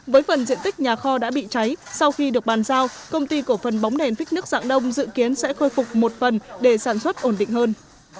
với phần diện tích nhà kho đã bị cháy sau khi được bàn giao công ty cổ phần bóng đèn phích nước dạng đông dự kiến sẽ khôi phục một phần để sản xuất ổn định hơn